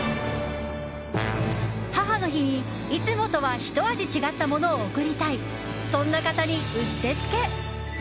母の日に、いつもとはひと味違ったものを贈りたいそんな方にうってつけ！